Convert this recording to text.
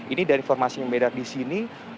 ini dari informasi yang beredar di sini